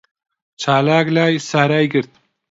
چالاک لای سارای گرت.